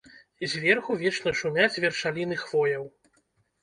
Зверху вечна шумяць вершаліны хвояў.